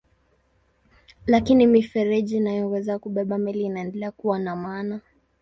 Lakini mifereji inayoweza kubeba meli inaendelea kuwa na maana.